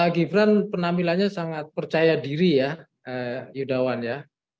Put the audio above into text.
gibran penampilannya sangat percaya diri ya yudawan ya